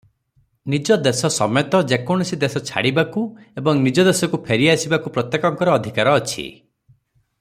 ନିଜ ଦେଶ ସମେତ ଯେକୌଣସି ଦେଶ ଛାଡ଼ିବାକୁ ଏବଂ ନିଜ ଦେଶକୁ ଫେରିଆସିବାକୁ ପ୍ରତ୍ୟେକଙ୍କର ଅଧିକାର ଅଛି ।